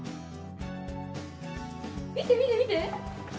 見て見て見て！